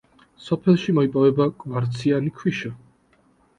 სოფელში მოიპოვება კვარციანი ქვიშა.